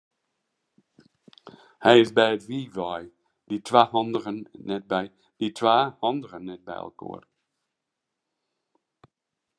Hy is by it wiif wei, dy twa handigen net byinoar.